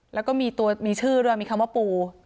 แล้วก็มีตัวมีชื่อด้วยมีคำว่าปู